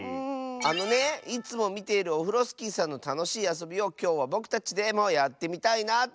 あのねいつもみているオフロスキーさんのたのしいあそびをきょうはぼくたちでもやってみたいなあとおもって。